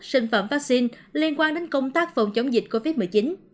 sinh phẩm vaccine liên quan đến công tác phòng chống dịch covid một mươi chín